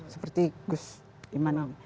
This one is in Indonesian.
seperti gus imanang